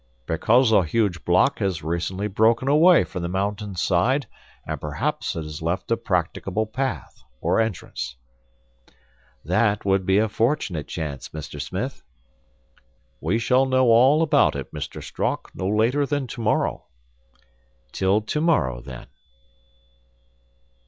"Because a huge block has recently broken away from the mountain side and perhaps it has left a practicable path or entrance." "That would be a fortunate chance, Mr. Smith." "We shall know all about it, Mr. Strock, no later than tomorrow." "Till tomorrow, then."